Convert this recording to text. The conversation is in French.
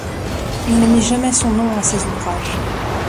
Il ne mit jamais son nom à ses ouvrages.